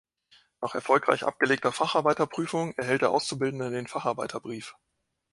Nach erfolgreich abgelegter Facharbeiterprüfung erhält der Auszubildende den Facharbeiterbrief.